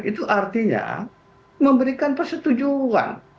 itu artinya memberikan persetujuan